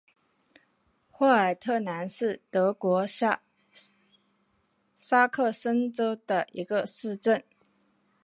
霍尔特兰是德国下萨克森州的一个市镇。